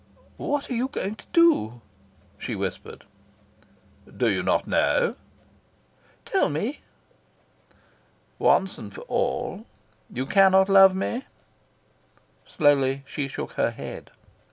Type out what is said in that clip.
"What are you going to do?" she whispered. "Do you not know?" "Tell me." "Once and for all: you cannot love me?" Slowly she shook her head.